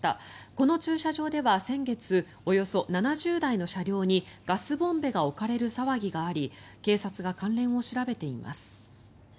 この駐車場では先月およそ７０台の車両にガスボンベが置かれる騒ぎがあり警察が関連を調べています。